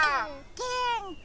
げんき？